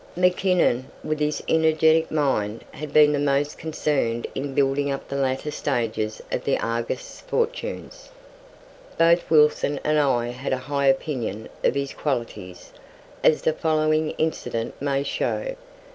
Mackinnon, with his energetic mind, had been the most concerned in building up the later stages of the "Argus" fortunes. Both Wilson and I had a high opinion of his qualities, as the following incident may show.